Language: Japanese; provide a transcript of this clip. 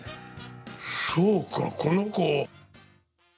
そうか、この子。